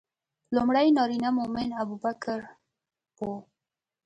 لومړی نارینه مؤمن ابوبکر و.